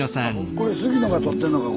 これ杉野が撮ってんのか。